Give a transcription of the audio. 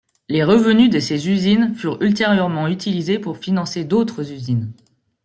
Les revenus de ces usines furent ultérieurement utilisés pour financer d'autres usines.